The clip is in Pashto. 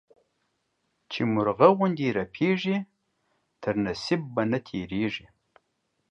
چي مرغه غوندي رپېږي، تر نصيب به نه تيرېږې.